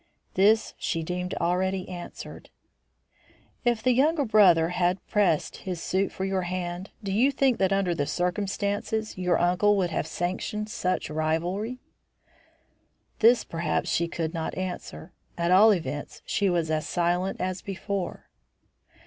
This she deemed already answered. "If the younger brother had pressed his suit for your hand, do you think that under the circumstances your uncle would have sanctioned such rivalry?" This, perhaps, she could not answer. At all events she was as silent as before.